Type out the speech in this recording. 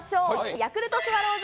ヤクルトスワローズ